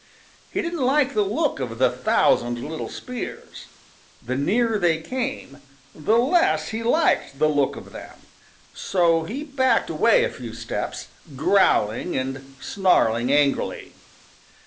He didn't like the look of the thousand little spears. The nearer they came, the less he liked the look of them. So he backed away a few steps, growling and snarling angrily.